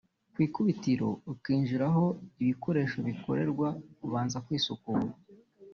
Ku ikubitiro ukinjira aho ibikoresho bikorerwa ubanza kwisukura